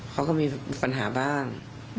เขาก็มีปัญหาบ้าง